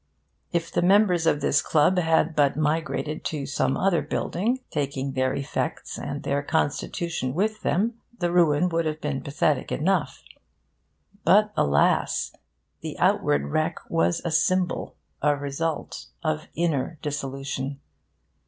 If the members of this club had but migrated to some other building, taking their effects and their constitution with them, the ruin would have been pathetic enough. But alas! the outward wreck was a symbol, a result, of inner dissolution.